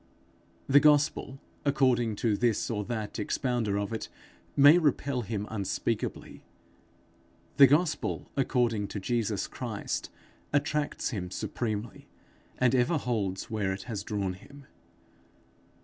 The gospel according to this or that expounder of it, may repel him unspeakably; the gospel according to Jesus Christ, attracts him supremely, and ever holds where it has drawn him.